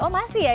oh masih ya